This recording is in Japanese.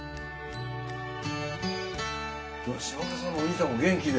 島村さんのお兄さんも元気で。